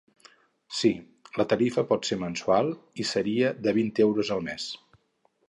Sí, la tarifa pot ser mensual, i seria de vint euros al mes.